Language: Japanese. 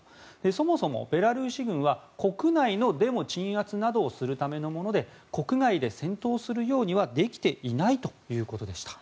そもそも、ベラルーシ軍は国内のデモ鎮圧をするためのもので国外で戦闘するようにはできていないということでした。